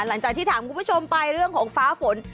หลังจากที่ถามคุณผู้ชมไปเรื่องของฟ้าฝน